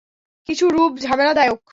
কিছু রূপ ঝামেলাদায়ক।